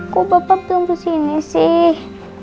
kok bapak belum kesini sih